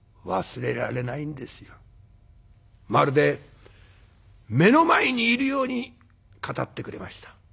まるで目の前にいるように語ってくれました。